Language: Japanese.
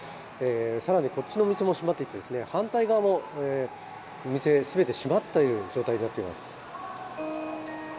更にこっちのお店も閉まっていて、反対側もお店、全て閉まっている状態となっています。